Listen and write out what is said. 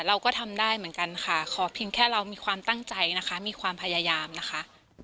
เราก็ทำได้เหมือนกันค่ะขอเพียงแค่เรามีความตั้งใจนะคะมีความพยายามนะคะ